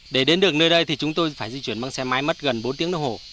để đến được nơi đây thì chúng tôi phải di chuyển bằng xe máy mất gần bốn tiếng đồng hồ